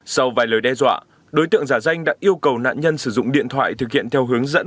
sau vài lời đe dọa đối tượng giả danh đã yêu cầu nạn nhân sử dụng điện thoại thực hiện theo hướng dẫn